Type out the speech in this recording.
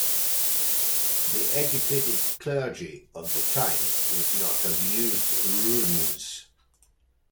The educated clergy of the time would not have used runes.